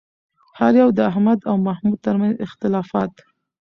هر یو د احمد او محمود ترمنځ اختلافات